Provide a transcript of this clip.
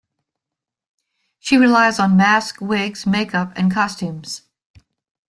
She relies on masks, wigs, makeup and costumes.